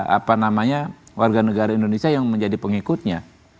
apa namanya warga negara indonesia yang menjadi pengikutnya